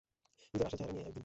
নিজের আসল চেহারা নিয়ে এক দিন!